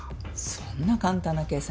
そんな簡単な計算。